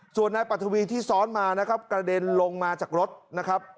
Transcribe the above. ส่วนนายปรัฐวีที่ซ้อนมานะครับกระเด็นลงมาจากรถนะครับ